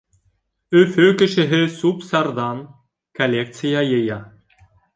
Өфө кешеһе сүп-сарҙан коллекция йыя.